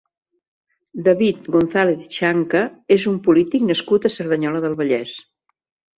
David González Chanca és un polític nascut a Cerdanyola del Vallès.